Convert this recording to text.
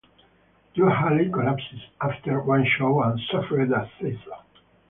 Joe Haley collapsed after one show and suffered a seizure.